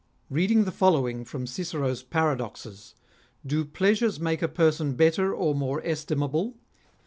Reading the following from Cicero's " Paradoxes "—" Do pleasures make a person better or more estimable